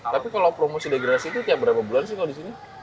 tapi kalau promosi degresi itu tiap berapa bulan sih kalau di sini